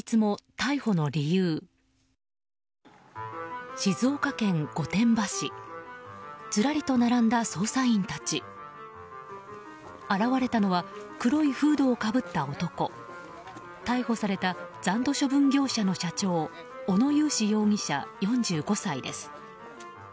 逮捕された残土処分業者の社長小野勇司容疑者、４５歳です。